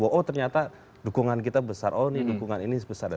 oh ternyata dukungan kita besar oh ini dukungan ini besar